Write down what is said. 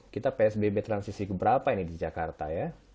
kita psbb transisi ke berapa ini di jakarta ya